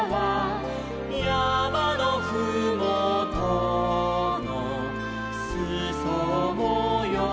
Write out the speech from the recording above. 「やまのふもとのすそもよう」